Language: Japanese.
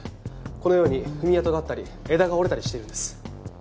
このように踏み跡があったり枝が折れたりしているんです。